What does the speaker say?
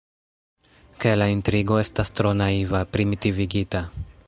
Ke la intrigo estas tro naiva, primitivigita.